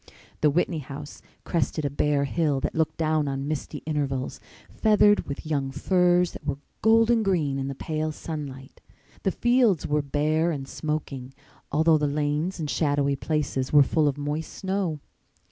The Whitney house crested a bare hill that looked down on misty intervals, feathered with young firs that were golden green in the pale sunlight. The fields were bare and smoking, although the lanes and shadowy places were full of moist snow.